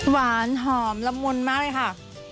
หวานหอมละมุนมากเลยค่ะ